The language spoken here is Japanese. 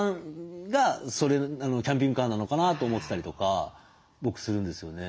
キャンピングカーなのかなと思ってたりとか僕するんですよね。